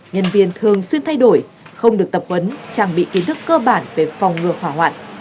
nhân viên thường xuyên thay đổi không được tập huấn trang bị kiến thức cơ bản về phòng ngừa hỏa hoạn